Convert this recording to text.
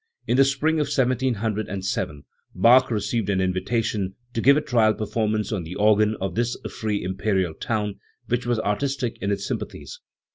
In the spring of 1707 Bach received an invitation to give a trial per formance on the organ of this free imperial town, which was artistic in its sympathies.